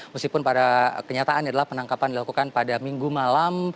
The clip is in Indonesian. meskipun pada kenyataan adalah penangkapan dilakukan pada minggu malam